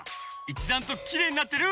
いちだんときれいになってる！